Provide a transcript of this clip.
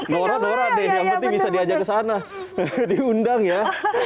norak norak deh yang penting bisa diajak ke sana diundang ya